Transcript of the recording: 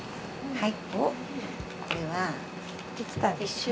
はい。